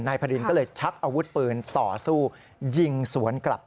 พระรินก็เลยชักอาวุธปืนต่อสู้ยิงสวนกลับ